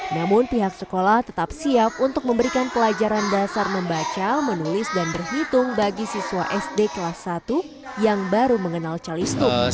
namun pihak sekolah tetap siap untuk memberikan pelajaran dasar membaca menulis dan berhitung bagi siswa sd kelas satu yang baru mengenal calistung